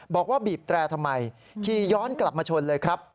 บอกว่าบีบแตรทำไมขี่ย้อนกลับมาชนเลยครับ